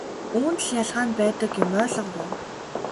Үүнд л ялгаа нь байдаг юм ойлгов уу?